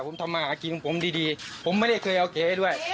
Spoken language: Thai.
ผมทำมาหากินของผมดีผมไม่ได้เคยโอเคด้วย